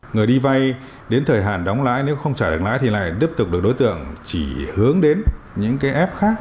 người đi vay đến thời hạn đóng lãi nếu không trả được lãi thì lại tiếp tục được đối tượng chỉ hướng đến những cái app khác